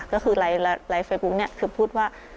ก็คือไลฟ์เฟย์บุ๊กคือพูดว่า